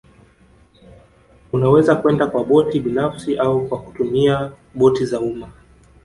Unaweza kwenda kwa boti binafsi au kwa kutumia boti za umma